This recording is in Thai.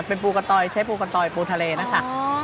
เป็นปูกระตอยใช้ปูกระตอยปูทะเลนะคะ